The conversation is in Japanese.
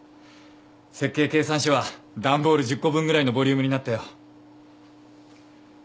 設計計算書は段ボール１０個分ぐらいのボリュームになったよ。